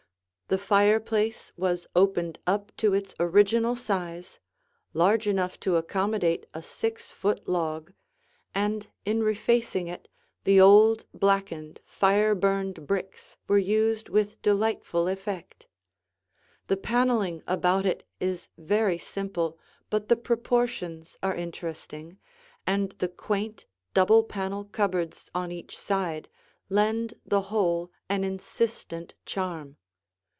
The fireplace was opened up to its original size, large enough to accommodate a six foot log, and in refacing it, the old, blackened, fire burned bricks were used with delightful effect. The paneling about it is very simple, but the proportions are interesting, and the quaint, double panel cupboards on each side lend the whole an insistent charm.